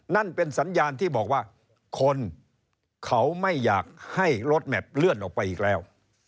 นั่นเป็นสัญญาณที่บอกว่าคนเขาไม่อยากให้รถแมพเลื่อนออกไปอีกแล้ว